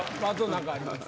何かあります？